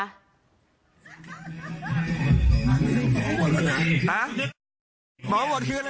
หมอบอดเลยนะ